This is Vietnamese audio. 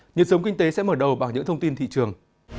nhật sống kinh tế sẽ mở đầu bằng những thông tin thị trường